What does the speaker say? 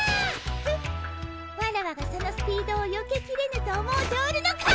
フッワラワがそのスピードをよけきれぬと思うておるのか？